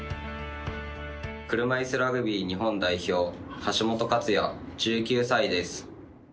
車いすラグビー日本代表、橋本勝也、１９歳です。